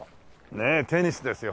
ねえテニスですよ。